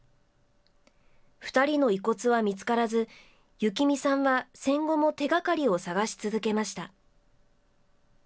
２人の遺骨は見つからず、ユキミさんは戦後も手がかりを探し続けました。